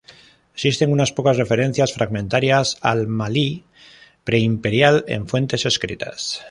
Existen unas pocas referencias fragmentarias al Malí pre imperial en fuentes escritas.